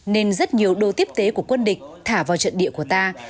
nên rất nhiều đô tiếp tế của quân địch thả vào trận địa của ta